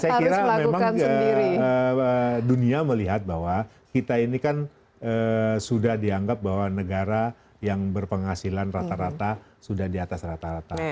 saya kira memang dunia melihat bahwa kita ini kan sudah dianggap bahwa negara yang berpenghasilan rata rata sudah di atas rata rata